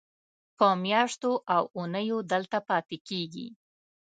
په میاشتو او اوونیو دلته پاتې کېږي.